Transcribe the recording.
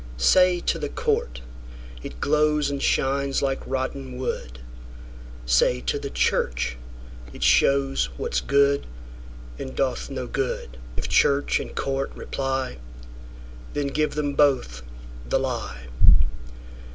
Say to the court, it glowsAnd shines like rotten wood; Say to the church, it showsWhat's good, and doth no good:If church and court reply, Then give them both the lie.